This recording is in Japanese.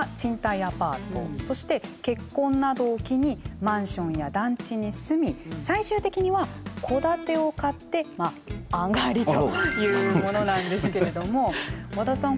そして結婚などを機にマンションや団地に住み最終的には戸建てを買ってまああがりというものなんですけれども和田さん